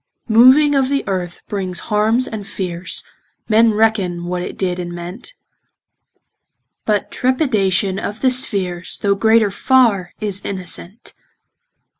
Moving of th' earth brings harmes and feares, Men reckon what it did and meant, But trepidation of the speares, Though greater farre, is innocent.